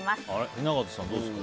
雛形さん、どうですか？